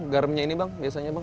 garamnya ini bang biasanya bang